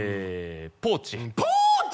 ポーチポーチ！？